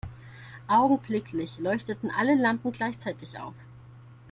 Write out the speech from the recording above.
Augenblicklich leuchteten alle Lampen gleichzeitig auf.